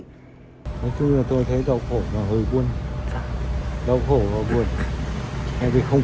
nói chung là tôi thấy đau khổ và hơi buồn đau khổ và buồn